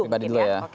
pribadi dulu ya